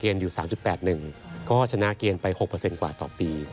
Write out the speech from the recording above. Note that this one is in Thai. เทียบเกณฑ์เกณฑ์อยู่๓๘๑ก็ชนะเกณฑ์ไป๖ต่อปี